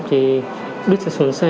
thì đứt ra xuống xe